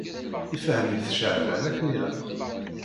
Ifhem-it Ceεban akken ilaq.